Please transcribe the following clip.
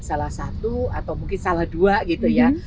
salah satu atau mungkin salah dua gitu ya